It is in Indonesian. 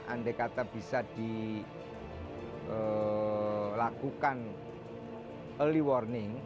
andai kata bisa dilakukan early warning